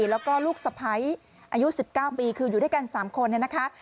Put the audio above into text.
แล้วก็ลูกสะพ้ายอายุ๑๙ปีคืออยู่ด้วยกัน๓คนเนี่ยนะคะ